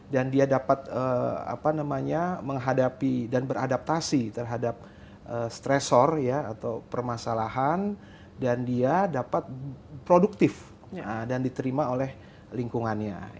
dan dia dapat apa namanya menghadapi dan beradaptasi terhadap stressor atau permasalahan dan dia dapat produktif dan diterima oleh lingkungannya